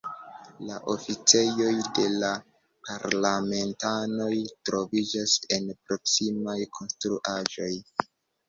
La oficejoj de la parlamentanoj troviĝas en proksimaj konstruaĵoj.